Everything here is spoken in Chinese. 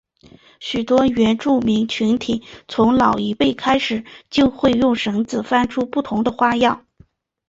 许多原住民群体从老一辈开始就会用绳子翻转出不同的花样。